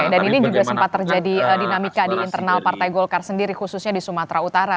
dan ini juga sempat terjadi dinamika di internal partai golkar sendiri khususnya di sumatera utara